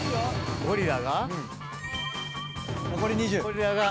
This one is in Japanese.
ゴリラが。